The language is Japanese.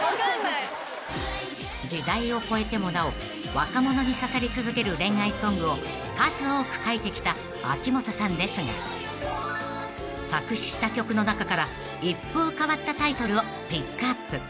［時代を超えてもなお若者に刺さり続ける恋愛ソングを数多く書いてきた秋元さんですが作詞した曲の中から一風変わったタイトルをピックアップ］